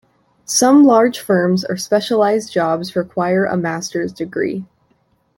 Some large firms or specialized jobs require a master's degree.